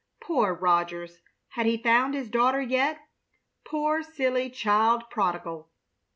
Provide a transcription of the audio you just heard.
Poor Rogers! Had he found his daughter yet? Poor, silly child prodigal!